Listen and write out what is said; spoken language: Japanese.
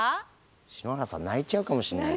篠原さん泣いちゃうかもしれない。